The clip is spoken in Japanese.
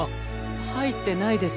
はいってないです。